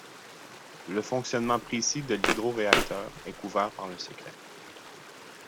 Le fonctionnement précis de l'hydroréacteur est couvert par le secret.